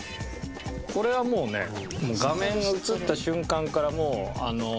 これはもうね画面が映った瞬間からもう飛鳥さん